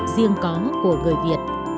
riêng có của quốc gia